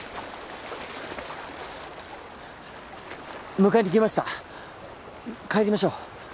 迎えにきました帰りましょう。